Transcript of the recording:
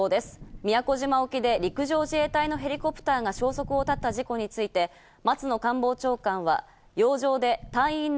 宮古島沖で陸上自衛隊のヘリコプターが消息を絶った事故について、関東のお天気です。